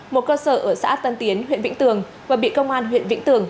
một cơ sở ở xã tân tiến huyện vĩnh tường vừa bị công an huyện vĩnh tường